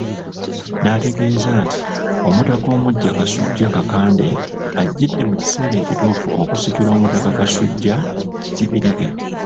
N'ategeeza nti, Omutaka omuggya Kasujja Kakande ajjidde mu kiseera kituufu okusikira Omutaka Kasujja Kibirige.